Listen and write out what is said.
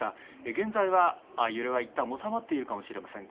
現在は、揺れはいったん収まっているかもしれません。